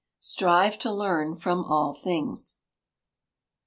[STRIVE TO LEARN FROM ALL THINGS.